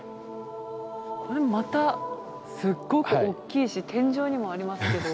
これまたすっごく大きいし天井にもありますけど。